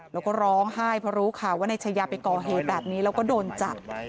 แล้วก็ร้องไห้เพราะรู้ข่าวว่านายชายาไปก่อเหตุแบบนี้แล้วก็โดนจับ